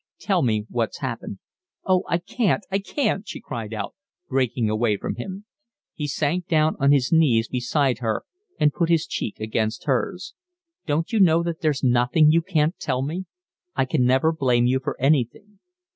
"Tell me what's happened." "Oh, I can't, I can't," she cried out, breaking away from him. He sank down on his knees beside her and put his cheek against hers. "Don't you know that there's nothing you can't tell me? I can never blame you for anything."